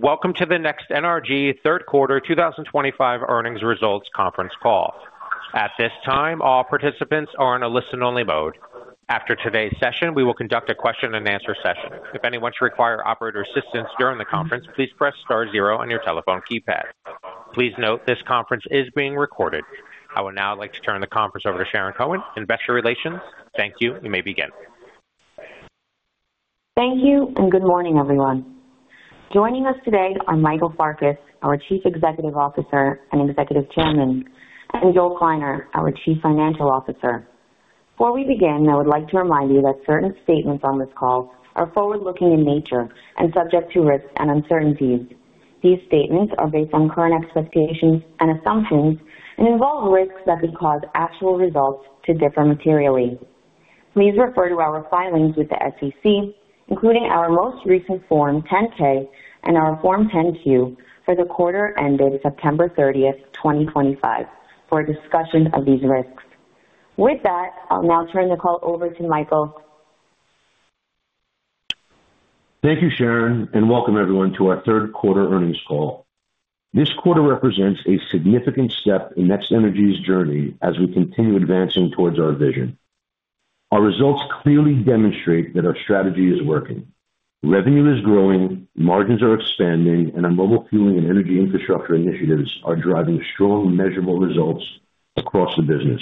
Welcome to the NextNRG Third Quarter 2025 Earnings Results Conference Call. At this time, all participants are in a listen-only mode. After today's session, we will conduct a question-and-answer session. If anyone should require operator assistance during the conference, please press star zero on your telephone keypad. Please note this conference is being recorded. I would now like to turn the conference over to Sharon Cohen, Investor Relations. Thank you. You may begin. Thank you, and good morning, everyone. Joining us today are Michael Farkas, our Chief Executive Officer and Executive Chairman, and Joel Kleiner, our Chief Financial Officer. Before we begin, I would like to remind you that certain statements on this call are forward-looking in nature and subject to risks and uncertainties. These statements are based on current expectations and assumptions and involve risks that could cause actual results to differ materially. Please refer to our filings with the SEC, including our most recent Form 10-K and our Form 10-Q, for the quarter ending September 30, 2025, for a discussion of these risks. With that, I'll now turn the call over to Michael. Thank you, Sharon, and welcome everyone to our Third Quarter Earnings Call. This quarter represents a significant step in NextNRG's journey as we continue advancing towards our vision. Our results clearly demonstrate that our strategy is working. Revenue is growing, margins are expanding, and our mobile fueling and energy infrastructure initiatives are driving strong, measurable results across the business,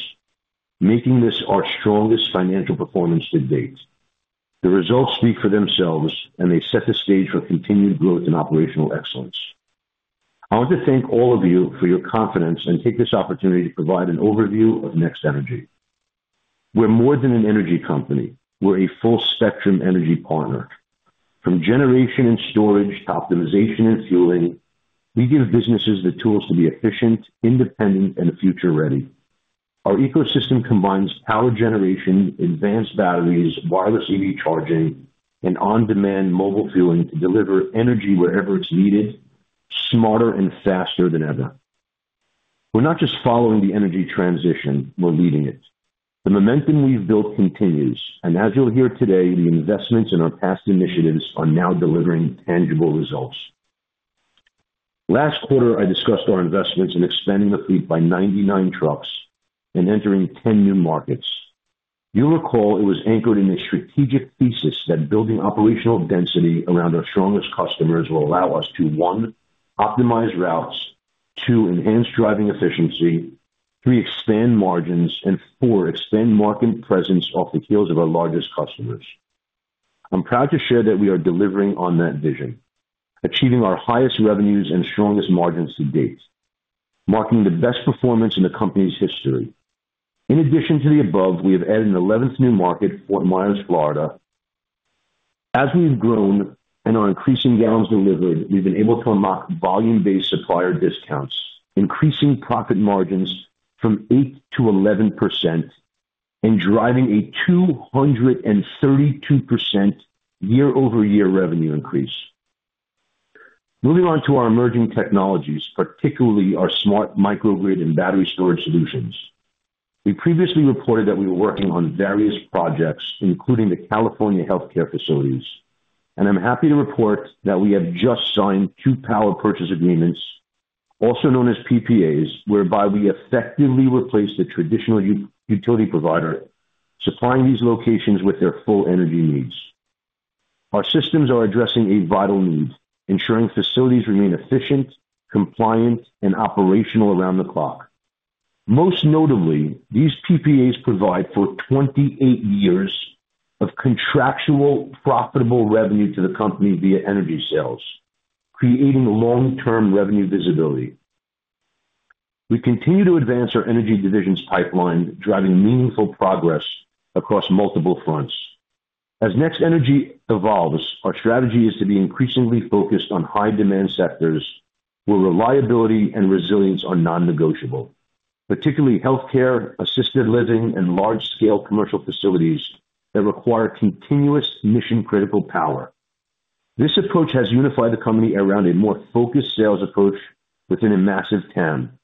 making this our strongest financial performance to date. The results speak for themselves, and they set the stage for continued growth and operational excellence. I want to thank all of you for your confidence and take this opportunity to provide an overview of NextNRG. We're more than an energy company. We're a full-spectrum energy partner. From generation and storage to optimization and fueling, we give businesses the tools to be efficient, independent, and future-ready. Our ecosystem combines power generation, advanced batteries, wireless EV charging, and on-demand mobile fueling to deliver energy wherever it's needed, smarter and faster than ever. We're not just following the energy transition; we're leading it. The momentum we've built continues, and as you'll hear today, the investments in our past initiatives are now delivering tangible results. Last quarter, I discussed our investments in expanding the fleet by 99 trucks and entering 10 new markets. You'll recall it was anchored in a strategic thesis that building operational density around our strongest customers will allow us to, one, optimize routes; two, enhance driving efficiency; three, expand margins; and four, expand market presence off the heels of our largest customers. I'm proud to share that we are delivering on that vision, achieving our highest revenues and strongest margins to date, marking the best performance in the company's history. In addition to the above, we have added an 11th new market, Fort Myers, Florida. As we've grown and our increasing gallons delivered, we've been able to unlock volume-based supplier discounts, increasing profit margins from 8% to 11% and driving a 232% year-over-year revenue increase. Moving on to our emerging technologies, particularly our smart microgrid and battery storage solutions. We previously reported that we were working on various projects, including the California healthcare facilities, and I'm happy to report that we have just signed two power purchase agreements, also known as PPAs, whereby we effectively replaced a traditional utility provider, supplying these locations with their full energy needs. Our systems are addressing a vital need, ensuring facilities remain efficient, compliant, and operational around the clock. Most notably, these PPAs provide for 28 years of contractual profitable revenue to the company via energy sales, creating long-term revenue visibility. We continue to advance our energy division's pipeline, driving meaningful progress across multiple fronts. As NextNRG evolves, our strategy is to be increasingly focused on high-demand sectors where reliability and resilience are non-negotiable, particularly healthcare, assisted living, and large-scale commercial facilities that require continuous mission-critical power. This approach has unified the company around a more focused sales approach within a massive TAM.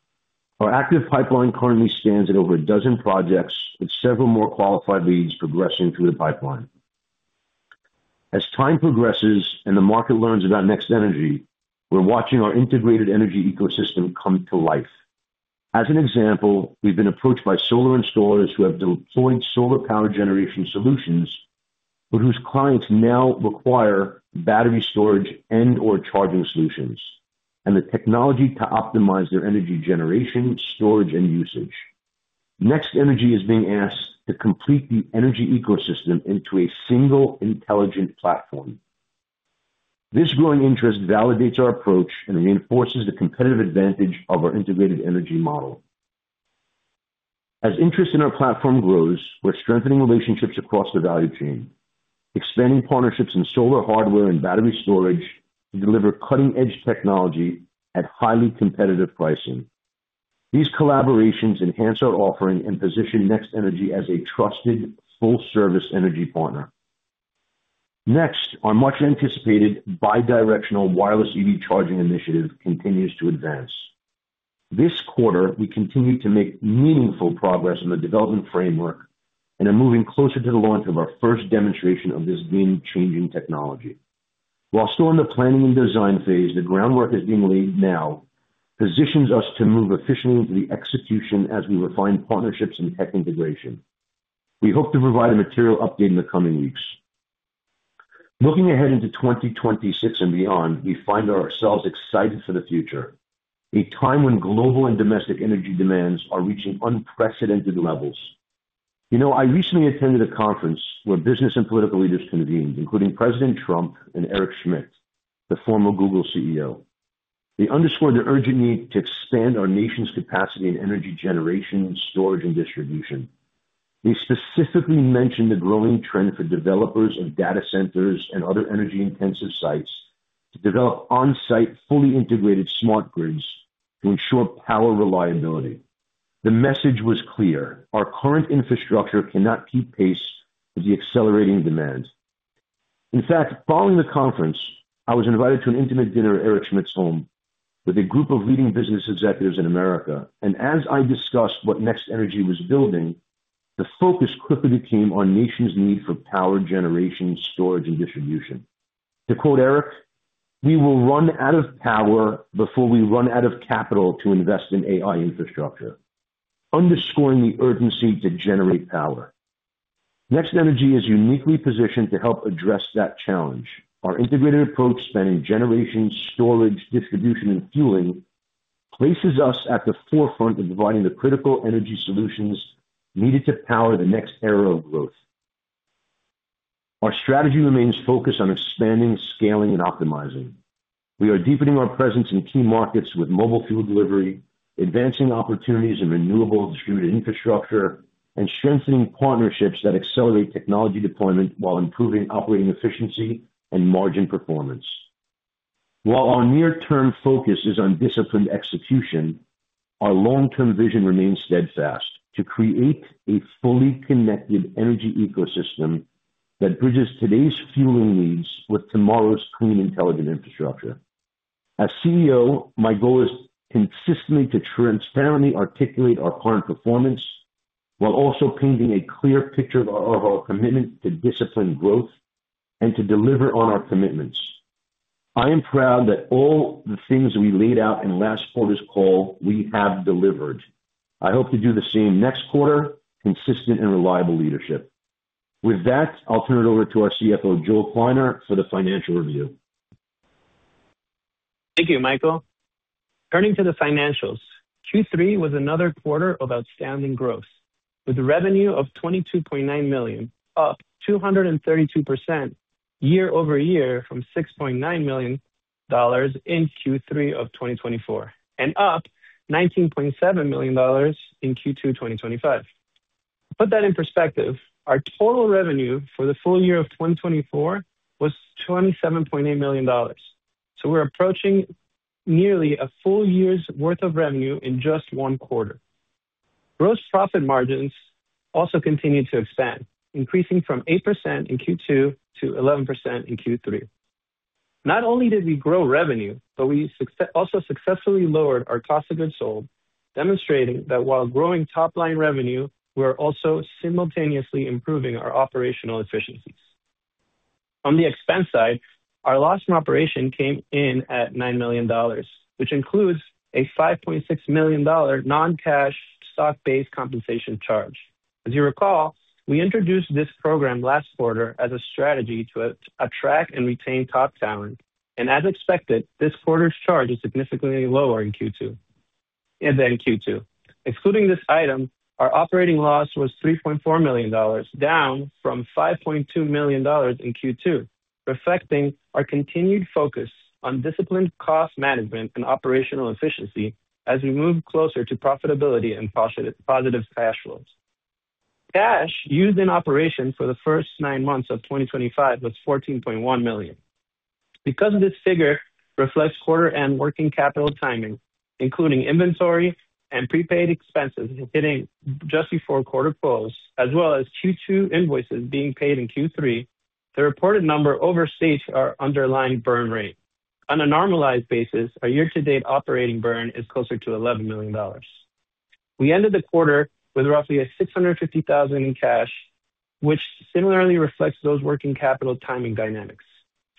Our active pipeline currently stands at over a dozen projects, with several more qualified leads progressing through the pipeline. As time progresses and the market learns about NextNRG, we're watching our integrated energy ecosystem come to life. As an example, we've been approached by solar installers who have deployed solar power generation solutions but whose clients now require battery storage and/or charging solutions and the technology to optimize their energy generation, storage, and usage. NextNRG is being asked to complete the energy ecosystem into a single intelligent platform. This growing interest validates our approach and reinforces the competitive advantage of our integrated energy model. As interest in our platform grows, we're strengthening relationships across the value chain, expanding partnerships in solar hardware and battery storage to deliver cutting-edge technology at highly competitive pricing. These collaborations enhance our offering and position NextNRG as a trusted, full-service energy partner. Next, our much-anticipated bi-directional wireless EV charging initiative continues to advance. This quarter, we continue to make meaningful progress in the development framework and are moving closer to the launch of our first demonstration of this game-changing technology. While still in the planning and design phase, the groundwork is being laid now, positioning us to move efficiently into the execution as we refine partnerships and tech integration. We hope to provide a material update in the coming weeks. Looking ahead into 2026 and beyond, we find ourselves excited for the future, a time when global and domestic energy demands are reaching unprecedented levels. You know, I recently attended a conference where business and political leaders convened, including President Trump and Eric Schmidt, the former Google CEO. They underscored the urgent need to expand our nation's capacity in energy generation, storage, and distribution. They specifically mentioned the growing trend for developers of data centers and other energy-intensive sites to develop on-site, fully integrated smart grids to ensure power reliability. The message was clear: our current infrastructure cannot keep pace with the accelerating demand. In fact, following the conference, I was invited to an intimate dinner at Eric Schmidt's home with a group of leading business executives in America, and as I discussed what NextNRG was building, the focus quickly became on the nation's need for power generation, storage, and distribution. To quote Eric, "We will run out of power before we run out of capital to invest in AI infrastructure," underscoring the urgency to generate power. NextNRG is uniquely positioned to help address that challenge. Our integrated approach, spanning generation, storage, distribution, and fueling, places us at the forefront of providing the critical energy solutions needed to power the next era of growth. Our strategy remains focused on expanding, scaling, and optimizing. We are deepening our presence in key markets with mobile fuel delivery, advancing opportunities in renewable distributed infrastructure, and strengthening partnerships that accelerate technology deployment while improving operating efficiency and margin performance. While our near-term focus is on disciplined execution, our long-term vision remains steadfast: to create a fully connected energy ecosystem that bridges today's fueling needs with tomorrow's clean, intelligent infrastructure. As CEO, my goal is consistently to transparently articulate our current performance while also painting a clear picture of our commitment to disciplined growth and to deliver on our commitments. I am proud that all the things we laid out in last quarter's call, we have delivered. I hope to do the same next quarter: consistent and reliable leadership. With that, I'll turn it over to our CFO, Joel Kleiner, for the financial review. Thank you, Michael. Turning to the financials, Q3 was another quarter of outstanding growth, with revenue of $22.9 million, up 232% year-over-year from $6.9 million in Q3 of 2024 and up $19.7 million in Q2 2025. To put that in perspective, our total revenue for the full year of 2024 was $27.8 million, so we're approaching nearly a full year's worth of revenue in just one quarter. Gross profit margins also continued to expand, increasing from 8% in Q2 to 11% in Q3. Not only did we grow revenue, but we also successfully lowered our cost of goods sold, demonstrating that while growing top-line revenue, we're also simultaneously improving our operational efficiencies. On the expense side, our loss from operation came in at $9 million, which includes a $5.6 million non-cash stock-based compensation charge. As you recall, we introduced this program last quarter as a strategy to attract and retain top talent, and as expected, this quarter's charge is significantly lower in Q2. Excluding this item, our operating loss was $3.4 million, down from $5.2 million in Q2, reflecting our continued focus on disciplined cost management and operational efficiency as we move closer to profitability and positive cash flows. Cash used in operation for the first nine months of 2025 was $14.1 million. Because this figure reflects quarter-end working capital timing, including inventory and prepaid expenses hitting just before quarter close, as well as Q2 invoices being paid in Q3, the reported number overstates our underlying burn rate. On a normalized basis, our year-to-date operating burn is closer to $11 million. We ended the quarter with roughly $650,000 in cash, which similarly reflects those working capital timing dynamics.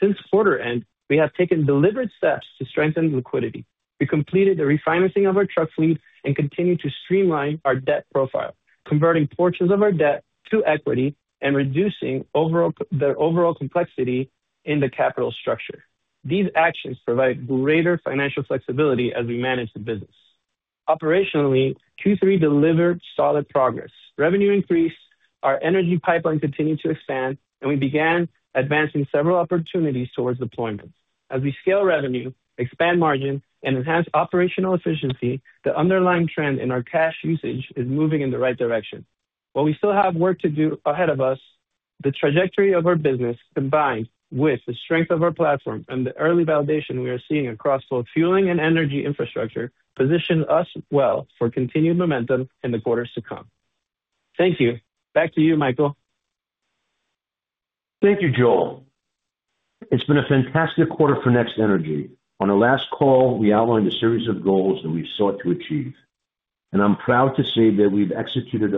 Since quarter-end, we have taken deliberate steps to strengthen liquidity. We completed the refinancing of our truck fleet and continue to streamline our debt profile, converting portions of our debt to equity and reducing the overall complexity in the capital structure. These actions provide greater financial flexibility as we manage the business. Operationally, Q3 delivered solid progress. Revenue increased, our energy pipeline continued to expand, and we began advancing several opportunities towards deployment. As we scale revenue, expand margin, and enhance operational efficiency, the underlying trend in our cash usage is moving in the right direction. While we still have work to do ahead of us, the trajectory of our business, combined with the strength of our platform and the early validation we are seeing across both fueling and energy infrastructure, positions us well for continued momentum in the quarters to come. Thank you. Back to you, Michael. Thank you, Joel. It's been a fantastic quarter for NextNRG. On our last call, we outlined a series of goals that we sought to achieve, and I'm proud to say that we've executed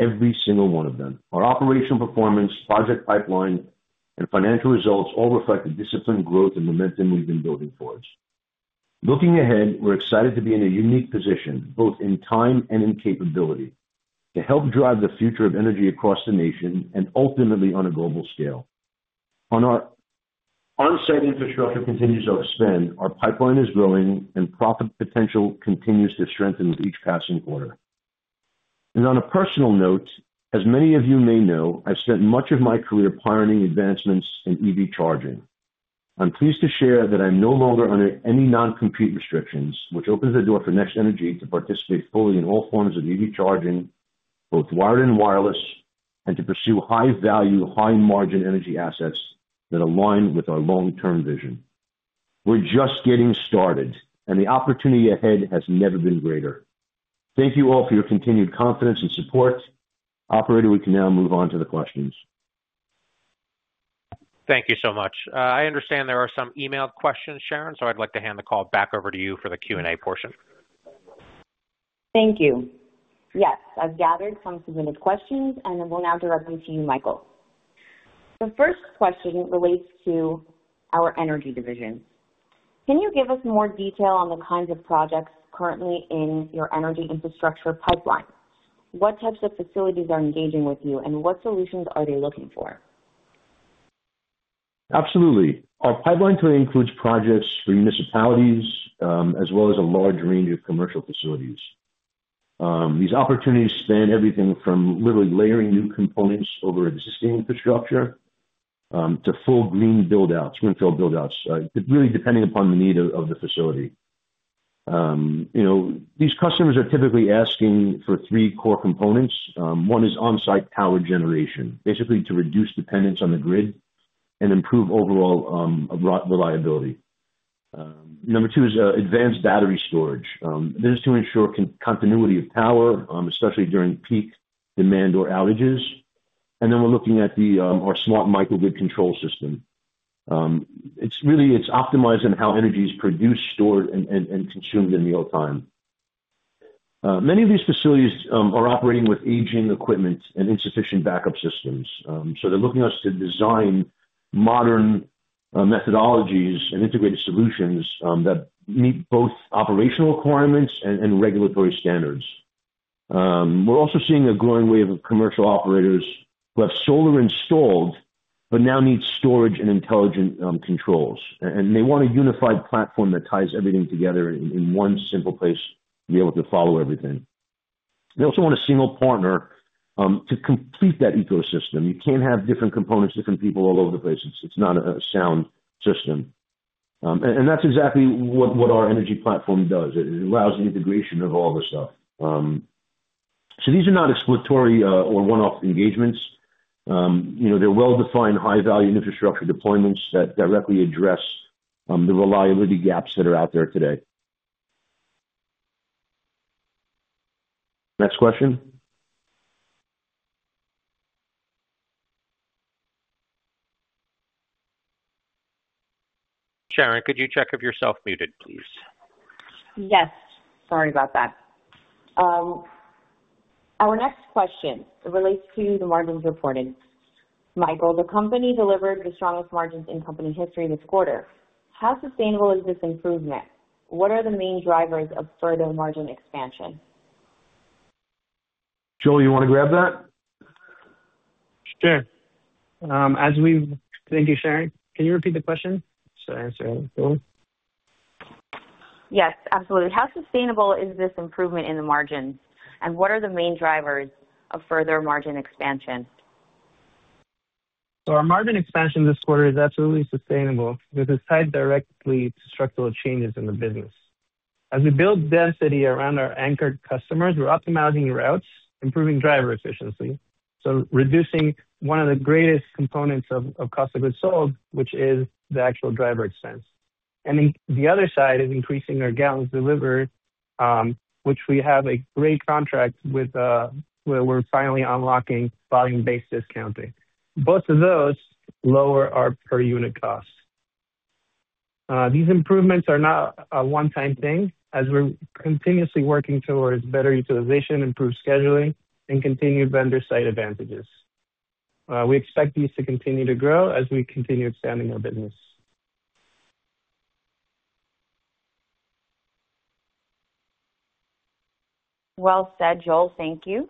on every single one of them. Our operational performance, project pipeline, and financial results all reflect the disciplined growth and momentum we've been building for us. Looking ahead, we're excited to be in a unique position, both in time and in capability, to help drive the future of energy across the nation and ultimately on a global scale. Our on-site infrastructure continues to expand, our pipeline is growing, and profit potential continues to strengthen with each passing quarter. On a personal note, as many of you may know, I've spent much of my career pioneering advancements in EV charging. I'm pleased to share that I'm no longer under any non-compete restrictions, which opens the door for NextNRG to participate fully in all forms of EV charging, both wired and wireless, and to pursue high-value, high-margin energy assets that align with our long-term vision. We're just getting started, and the opportunity ahead has never been greater. Thank you all for your continued confidence and support. Operator, we can now move on to the questions. Thank you so much. I understand there are some emailed questions, Sharon, so I'd like to hand the call back over to you for the Q&A portion. Thank you. Yes, I've gathered some submitted questions, and we'll now direct them to you, Michael. The first question relates to our energy division. Can you give us more detail on the kinds of projects currently in your energy infrastructure pipeline? What types of facilities are engaging with you, and what solutions are they looking for? Absolutely. Our pipeline today includes projects for municipalities, as well as a large range of commercial facilities. These opportunities span everything from literally layering new components over existing infrastructure to full green buildouts, windfill buildouts, really depending upon the need of the facility. These customers are typically asking for three core components. One is on-site power generation, basically to reduce dependence on the grid and improve overall reliability. Number two is advanced battery storage. This is to ensure continuity of power, especially during peak demand or outages. And then we're looking at our smart microgrid control system. It's really optimized on how energy is produced, stored, and consumed in real time. Many of these facilities are operating with aging equipment and insufficient backup systems, so they're looking at us to design modern methodologies and integrated solutions that meet both operational requirements and regulatory standards. We're also seeing a growing wave of commercial operators who have solar installed but now need storage and intelligent controls, and they want a unified platform that ties everything together in one simple place to be able to follow everything. They also want a single partner to complete that ecosystem. You can't have different components, different people all over the place. It's not a sound system. That's exactly what our energy platform does. It allows integration of all the stuff. These are not exploitatory or one-off engagements. They're well-defined, high-value infrastructure deployments that directly address the reliability gaps that are out there today. Next question. Sharon, could you check if you're self-muted, please? Yes. Sorry about that. Our next question relates to the margins reported. Michael, the company delivered the strongest margins in company history this quarter. How sustainable is this improvement? What are the main drivers of further margin expansion? Joel, you want to grab that? Sure. As we've... Thank you, Sharon. Can you repeat the question? So I answer it. Yes, absolutely. How sustainable is this improvement in the margins, and what are the main drivers of further margin expansion? Our margin expansion this quarter is absolutely sustainable because it is tied directly to structural changes in the business. As we build density around our anchored customers, we are optimizing routes, improving driver efficiency, so reducing one of the greatest components of cost of goods sold, which is the actual driver expense. The other side is increasing our gallons delivered, which we have a great contract with where we are finally unlocking volume-based discounting. Both of those lower our per-unit cost. These improvements are not a one-time thing, as we are continuously working towards better utilization, improved scheduling, and continued vendor-side advantages. We expect these to continue to grow as we continue expanding our business. Thank you, Joel. Thank you.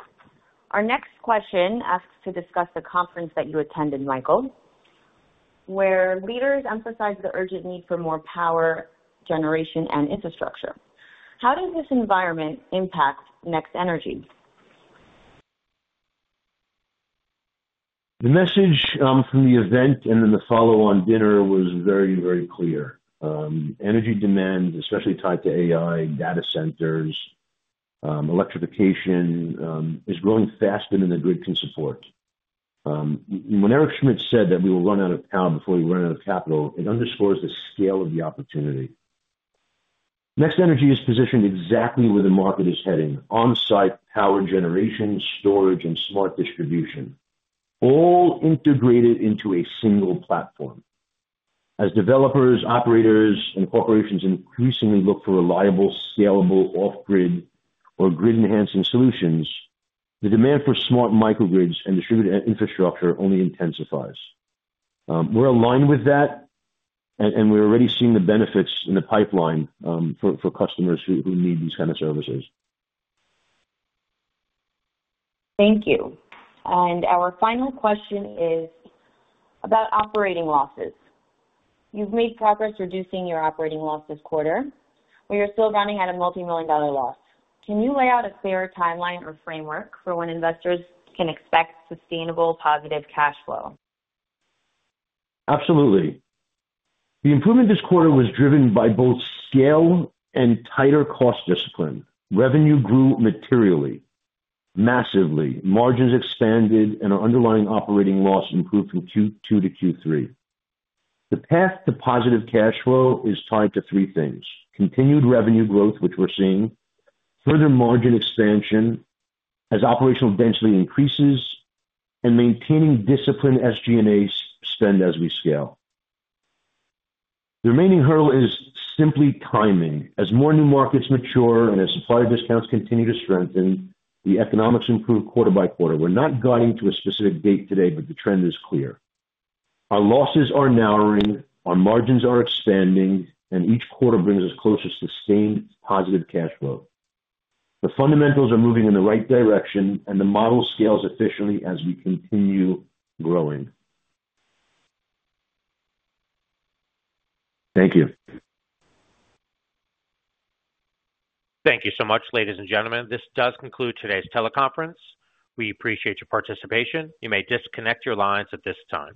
Our next question asks to discuss the conference that you attended, Michael, where leaders emphasized the urgent need for more power generation and infrastructure. How does this environment impact NextNRG? The message from the event and then the follow-on dinner was very, very clear. Energy demand, especially tied to AI, data centers, electrification, is growing faster than the grid can support. When Eric Schmidt said that we will run out of power before we run out of capital, it underscores the scale of the opportunity. NextNRG is positioned exactly where the market is heading: on-site power generation, storage, and smart distribution, all integrated into a single platform. As developers, operators, and corporations increasingly look for reliable, scalable off-grid or grid-enhancing solutions, the demand for smart microgrids and distributed infrastructure only intensifies. We're aligned with that, and we're already seeing the benefits in the pipeline for customers who need these kinds of services. Thank you. Our final question is about operating losses. You've made progress reducing your operating loss this quarter, but you're still running at a multi-million dollar loss. Can you lay out a clearer timeline or framework for when investors can expect sustainable positive cash flow? Absolutely. The improvement this quarter was driven by both scale and tighter cost discipline. Revenue grew materially, massively. Margins expanded, and our underlying operating loss improved from Q2 to Q3. The path to positive cash flow is tied to three things: continued revenue growth, which we're seeing; further margin expansion as operational density increases; and maintaining disciplined SG&A spend as we scale. The remaining hurdle is simply timing. As more new markets mature and as supplier discounts continue to strengthen, the economics improve quarter by quarter. We're not guiding to a specific date today, but the trend is clear. Our losses are narrowing, our margins are expanding, and each quarter brings us closer to sustained positive cash flow. The fundamentals are moving in the right direction, and the model scales efficiently as we continue growing. Thank you. Thank you so much, ladies and gentlemen. This does conclude today's teleconference. We appreciate your participation. You may disconnect your lines at this time.